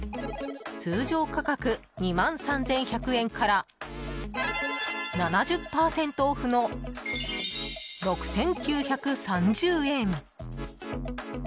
通常価格２万３１００円から７０％オフの、６９３０円！